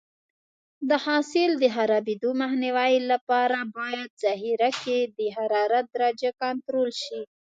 د حاصل د خرابېدو مخنیوي لپاره باید ذخیره کې د حرارت درجه کنټرول شي.